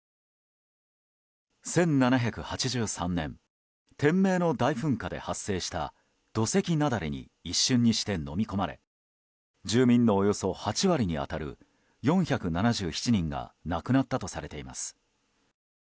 １７８３年、天明の大噴火で発生した土石なだれに一瞬にしてのみ込まれ住民のおよそ８割に当たる４７７人が亡くなったとされています。